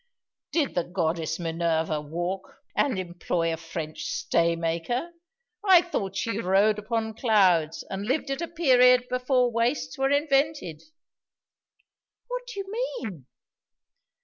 "Did the goddess Minerva walk, and employ a French stay maker? I thought she rode upon clouds, and lived at a period before waists were invented." "What do you mean?"